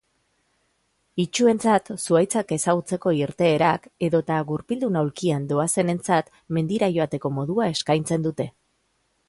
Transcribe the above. Itsuentzat zuhaitzak ezagutzeko irteerak edota gurpildun aulkian doazenentzat mendiara joateko modua eskaintzen dute.